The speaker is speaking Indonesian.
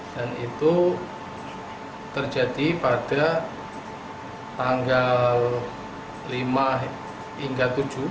itu terjadi pada tanggal lima hingga tujuh